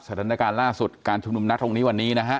สถานการณ์ล่าสุดการชุมนุมนะตรงนี้วันนี้นะฮะ